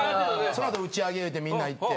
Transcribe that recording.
そのあと打ち上げいうてみんな行って。